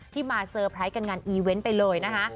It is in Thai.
มาเซอร์ไพรส์กันงานอีเวนต์ไปเลยนะคะ